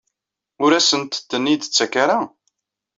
Ur asent-ten-id-tettak ara?